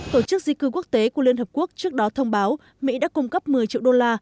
tổ chức di cư quốc tế của liên hợp quốc trước đó thông báo mỹ đã cung cấp một mươi triệu đô la